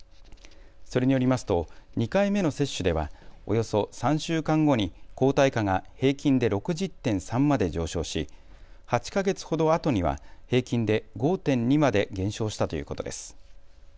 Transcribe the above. それによりますと２回目の接種ではおよそ３週間後に抗体価が平均で６０．３まで上昇し８か月ほどあとには平均で５．２まで減少したということです。